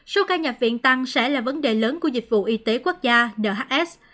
số ca nhập viện tăng sẽ là vấn đề lớn của dịch vụ y tế quốc gia nhs